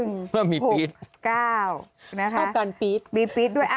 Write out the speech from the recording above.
ชอบการปี๊ด